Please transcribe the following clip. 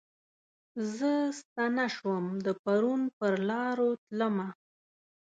زه ستنه شوم د پرون پرلارو تلمه